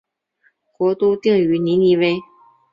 国都定于尼尼微。